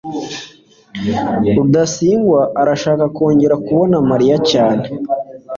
rudasingwa arashaka kongera kubona mariya cyane